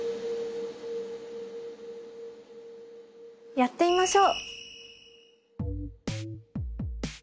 やってみましょう。